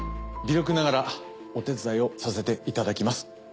微力ながらお手伝いをさせていただきます。